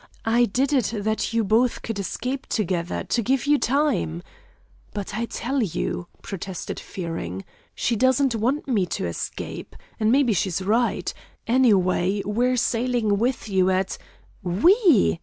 I did it, that you both could escape together, to give you time " "But I tell you," protested Fearing, "she doesn't want me to escape. And maybe she's right. Anyway, we're sailing with you at " "We?"